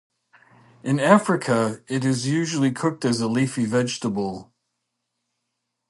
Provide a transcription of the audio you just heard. In Africa, it is usually cooked as a leafy vegetable.